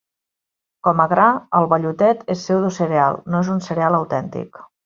Com a gra, el vellutet és un pseudocereal, no un cereal autèntic.